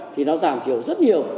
thì nó giảm thiểu rất nhiều